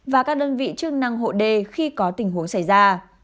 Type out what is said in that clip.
và các đơn vị chức năng hộ đê khi có tình huống xảy ra